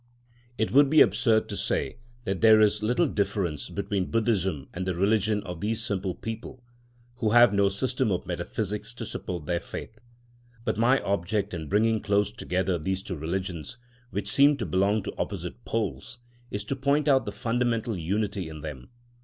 It would be absurd to say that there is little difference between Buddhism and the religion of these simple people, who have no system of metaphysics to support their faith. But my object in bringing close together these two religions, which seem to belong to opposite poles, is to point out the fundamental unity in them.